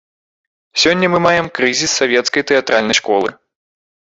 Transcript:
Сёння мы маем крызіс савецкай тэатральнай школы.